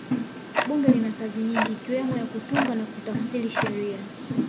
bunge lina kazi nyingi ikiwemo ya kutunga na kutafsiri sheria